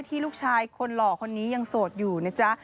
ลูกชายคนหล่อคนนี้ยังโสดอยู่นะจ๊ะ